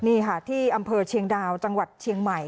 นี่ค่ะที่อำเภอเชียงดาวจังหวัดเชียงใหม่